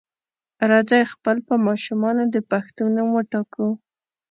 راځئ خپل په ماشومانو د پښتو نوم وټاکو.